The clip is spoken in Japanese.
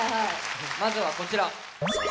まずはこちら。